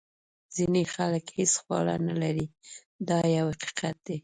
ځینې خلک هیڅ خواړه نه لري دا یو حقیقت دی.